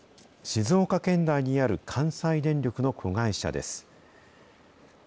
静岡県内にある関西電力の子会社です。